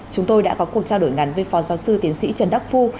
chúng tôi đã có cuộc trao đổi ngắn với phó giáo sư tiến sĩ trần đắc phu